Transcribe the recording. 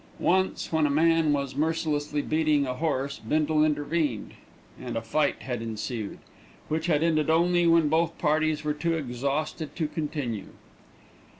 Once when a man was mercilessly beating a horse Bindle intervened, and a fight had ensued, which had ended only when both parties were too exhausted to continue.